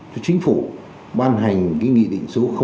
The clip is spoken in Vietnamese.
cho chính phủ ban hành nghị định số một